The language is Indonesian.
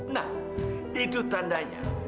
nah itu tandanya